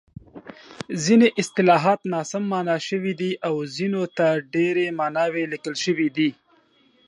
ځیني اصطلاحات ناسم مانا شوي دي او ځینو ته ډېرې ماناوې لیکل شوې دي.